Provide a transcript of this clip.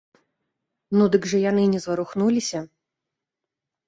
Ну дык жа яны не зварухнуліся.